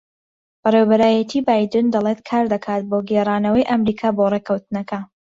بەڕێوەبەرایەتیی بایدن دەڵێت کار دەکات بۆ گێڕانەوەی ئەمریکا بۆ ڕێککەوتنەکە